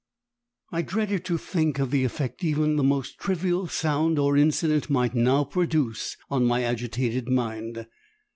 I dreaded to think of the effect even the most trivial sound or incident might now produce on my agitated mind.